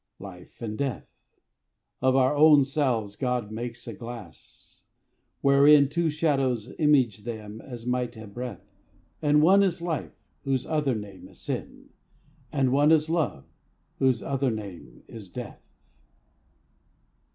LIFE AND DEATH. Of our own selves God makes a glass, wherein Two shadows image them as might a breath: And one is Life, whose other name is Sin; And one is Love, whose other name is Death.